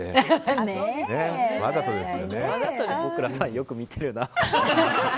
坪倉さん、よく見てるな。